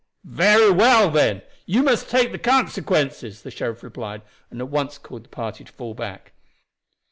"Very well, then. You must take the consequences," the sheriff replied, and at once called the party to fall back.